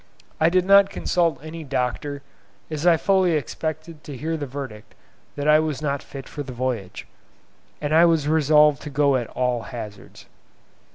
I did not consult any doctor, as I fully expected to hear the verdict that I was not fit for the voyage, and I was resolved to go at all hazards.